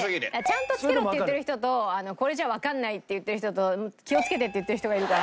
「ちゃんとつけろ」って言ってる人と「これじゃわかんない」って言ってる人と「気を付けて」って言ってる人がいるから。